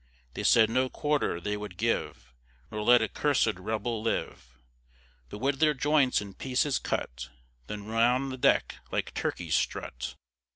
They said no quarter they would give Nor let a cursèd rebel live; But would their joints in pieces cut, Then round the deck like turkeys strut.